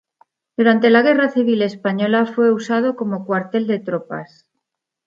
Durante la Guerra civil española fue usado como cuartel de tropas.